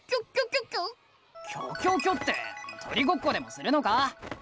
キョキョキョって鳥ごっこでもするのか？